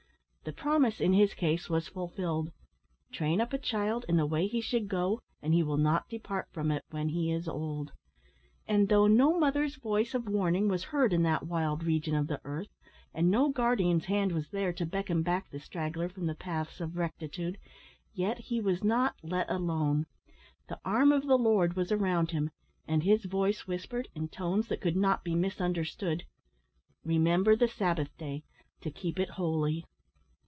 The promise, in his case, was fulfilled "Train up a child in the way he should go, and he will not depart from it when he is old;" and though no mother's voice of warning was heard in that wild region of the earth, and no guardian's hand was there to beckon back the straggler from the paths of rectitude, yet he was not "let alone;" the arm of the Lord was around him, and His voice whispered, in tones that could not be misunderstood, "Remember the Sabbath day, to keep it holy."